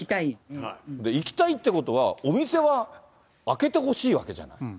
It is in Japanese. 行きたいっていうことは、お店は開けてほしいわけじゃない。